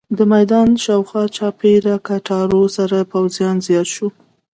د میدان پر شاوخوا راچاپېره کټارو سره پوځیان زیات وو.